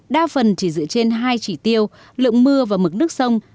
đa phần chỉ dựa trên hai chỉ tiêu lượng mưa và mực nước sông